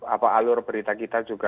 apa alur berita kita juga